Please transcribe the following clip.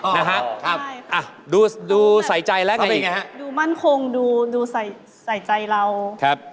นะครับดูใส่ใจแล้วไงอีกครับดูมั่นคงดูใส่ใจเรา